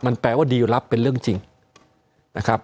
มันแปลว่าดีลลับเป็นเรื่องจริงนะครับ